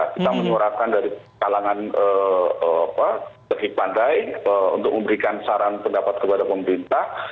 kita menyuarakan dari kalangan teki pandai untuk memberikan saran pendapat kepada pemerintah